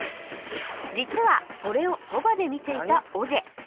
実はそれをそばで見ていたオジェ